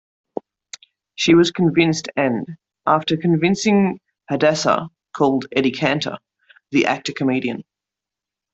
She was convinced and, after convincing Hadassah, called Eddie Cantor, the actor-comedian.